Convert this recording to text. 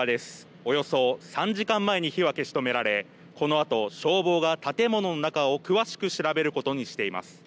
およそ３時間前に火は消し止められこのあと消防が建物の中を詳しく調べることにしています。